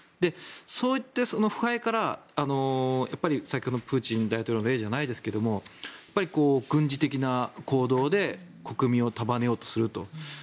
そうやって腐敗から先ほどのプーチン大統領の例じゃないですが軍事的な行動で国民を束ねようとすると。